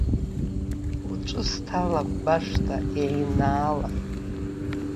Уаҵәы сҭалап башҭа еинаала.